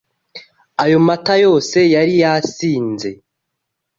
Ayo mata yose yari yasinze?